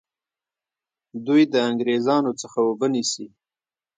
دوی د انګریزانو څخه اوبه نیسي.